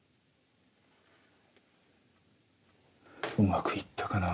うまくいったかな。